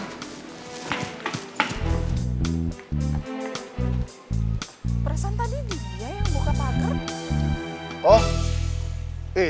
sepertinya nggak bisa juga bahu bahu tiny